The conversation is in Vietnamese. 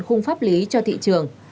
khung pháp lý cho thị trường